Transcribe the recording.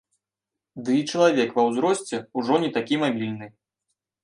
Ды і чалавек ва ўзросце ўжо не такі мабільны.